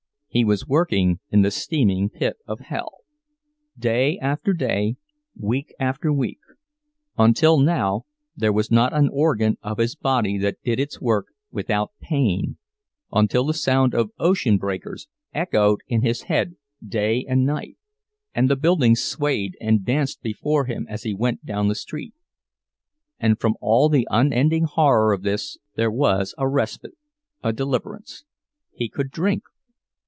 He was working in the steaming pit of hell; day after day, week after week—until now, there was not an organ of his body that did its work without pain, until the sound of ocean breakers echoed in his head day and night, and the buildings swayed and danced before him as he went down the street. And from all the unending horror of this there was a respite, a deliverance—he could drink!